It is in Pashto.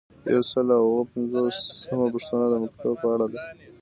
یو سل او اووه پنځوسمه پوښتنه د مکتوب په اړه ده.